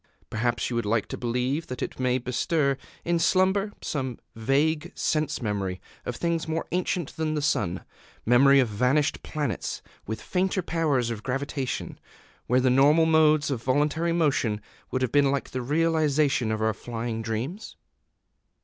Perhaps you would like to believe that it may bestir, in slumber, some vague sense memory of things more ancient than the sun, memory of vanished planets with fainter powers of gravitation, where the normal modes of voluntary motion would have been like the realization of our flying dreams?...